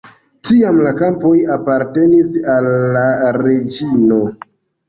Tiam la kampoj apartenis al la reĝino.